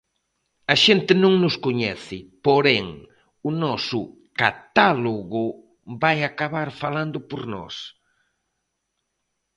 A xente non nos coñece, porén, o noso catálogo vai acabar falando por nós.